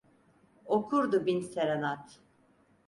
Okurdu bin serenad.